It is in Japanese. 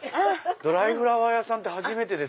ドライフラワー屋さんって初めて。